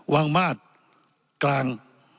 วางมาสกลาง